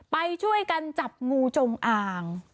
ไปช่วยกันจับงูจงอ่าง